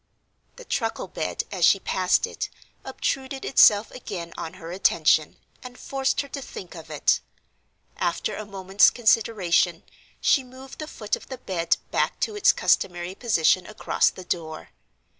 The truckle bed, as she passed it, obtruded itself again on her attention, and forced her to think of it. After a moment's consideration, she moved the foot of the bed back to its customary position across the door.